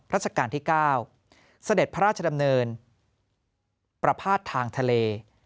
ราชการที่๙เสด็จพระราชดำเนินประพาททางทะเล